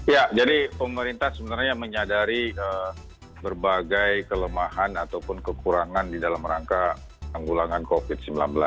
ya jadi pemerintah sebenarnya menyadari berbagai kelemahan ataupun kekurangan di dalam rangka penggulangan covid sembilan belas